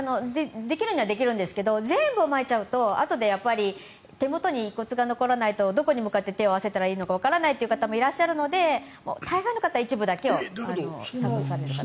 できるにはできるんですけど全部をまいちゃうとあとで手元に遺骨が残らないとどこに向かって手を合わせたらいいかわからない方もいるので大半の方は一部だけを散骨される方が。